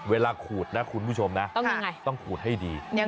เวลาขูดนะคุณผู้ชมต้องขูดให้ดี